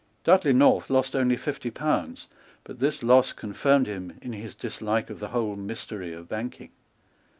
Dudley North lost only fifty pounds; but this loss confirmed him in his dislike of the whole mystery of banking.